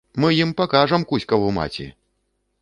Мы ім пакажам кузькаву маці!